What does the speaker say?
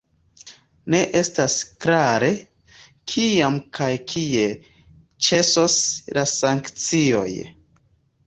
Ne estas klare, kiam kaj kiel ĉesos la sankcioj.